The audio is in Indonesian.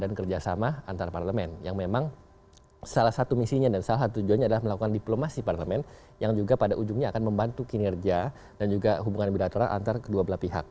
dan kerjasama antarparlemen yang memang salah satu misinya dan salah satu tujuannya adalah melakukan diplomasi parlemen yang juga pada ujungnya akan membantu kinerja dan juga hubungan bilateral antar kedua belah pihak